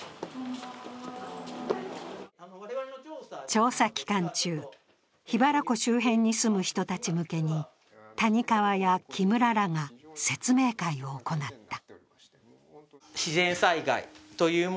調査期間中、桧原湖周辺に住む人たち向けに谷川や木村らが説明会を行った。